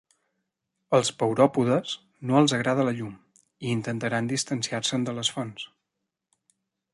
Als pauròpodes no els agrada la llum i intentaran distanciar-se'n de les fonts.